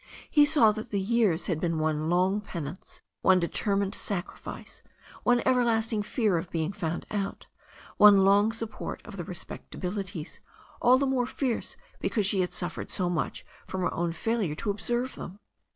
He saw that the years had been one long penance, one determined sacrifice, one everlasting fear of being found out, one long support of the respectabilities, all the more fierce because she had suffered so much from her own fail ure to observe them.